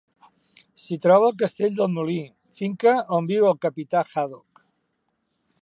S'hi troba el castell del Molí, finca on viu el capità Haddock.